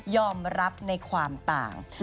ยอมรับในความต่าง